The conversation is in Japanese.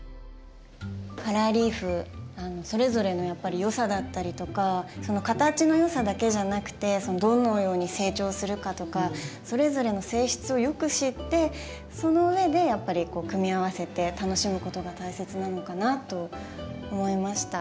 カラーリーフそれぞれのやっぱりよさだったりとかその形のよさだけじゃなくてどのように成長するかとかそれぞれの性質をよく知ってそのうえでやっぱり組み合わせて楽しむことが大切なのかなと思いました。